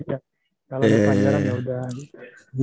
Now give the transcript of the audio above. kalau ada pacaran yaudah